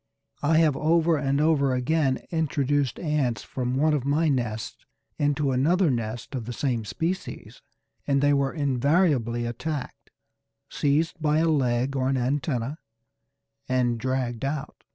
I have over and over again introduced ants from one of my nests into another nest of the same species, and they were invariably attacked, seized by a leg or an antenna, and dragged out.